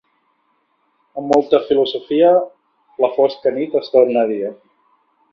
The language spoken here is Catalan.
Amb molta filosofia, la fosca nit es torna dia.